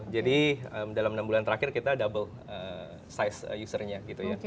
jadi dalam enam bulan terakhir kita double size usernya gitu ya